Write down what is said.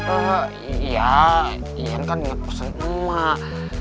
eh iya ian kan inget pesen emak